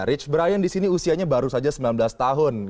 rich brian di sini usianya baru saja sembilan belas tahun